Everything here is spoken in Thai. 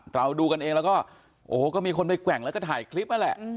เราดูกันเองแล้วก็โอ้โหก็มีคนไปแกว่งแล้วก็ถ่ายคลิปนั่นแหละ